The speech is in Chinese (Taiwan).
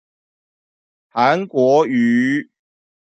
韓國瑜